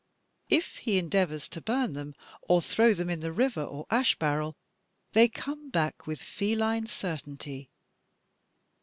If he en deavors to bum them, or throw them in the river or ash barrel, they come back with feline certainty.